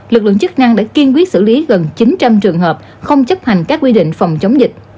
lực lượng chức năng đã kiên quyết xử lý gần chín trăm linh trường hợp không chấp hành các quy định phòng chống dịch